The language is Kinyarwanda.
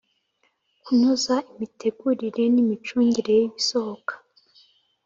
kunoza imitegurire n imicungire y ibisohoka